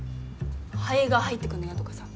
灰が入ってくるの嫌とかさ。